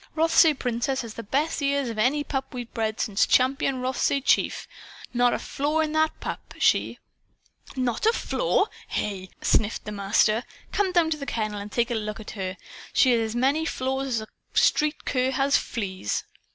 "Rothsay Princess has the best ears of any pup we've bred since Champion Rothsay Chief. Not a flaw in that pup. She " "Not a flaw, hey!" sniffed the Master. "Come down to the kennel and take a look at her. She has as many flaws as a street cur has fleas."